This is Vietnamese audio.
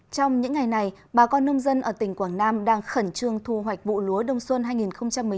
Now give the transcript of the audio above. trong những ngày này bà con nông dân ở tỉnh quảng nam đang khẩn trương thu hoạch vụ lúa đông xuân hai nghìn một mươi chín hai nghìn hai mươi